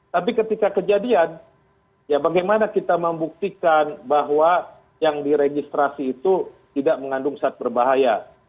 tapi ketika kejadian ya bagaimana kita membuktikan bahwa yang diregistrasi itu tidak mengandung zat berbahaya